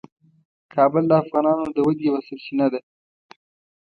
کابل د افغانانو د ودې یوه سرچینه ده.